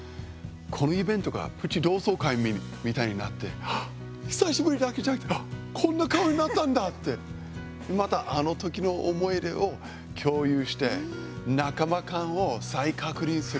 このイベントがプチ同窓会みたいになってあっ、久しぶり！だけじゃなくてあっ、こんな顔になったんだってまた、あの時の思い出を共有して仲間感を再確認する。